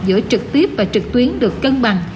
giữa trực tiếp và trực tuyến được cân bằng